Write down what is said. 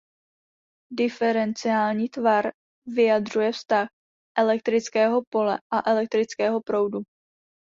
Diferenciální tvar vyjadřuje vztah elektrického pole a elektrického proudu.